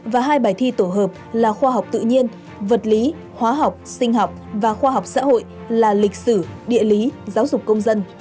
và hai bài thi tổ hợp là khoa học tự nhiên vật lý hóa học sinh học và khoa học xã hội là lịch sử địa lý giáo dục công dân